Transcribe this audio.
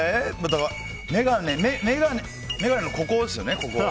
眼鏡のここですよね。